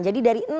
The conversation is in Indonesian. jadi dari bagian